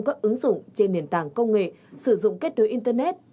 các ứng dụng trên nền tảng công nghệ sử dụng kết nối internet